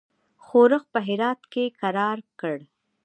ښورښ په هرات کې کرار کړ.